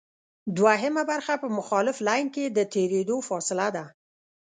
دوهمه برخه په مخالف لین کې د تېرېدو فاصله ده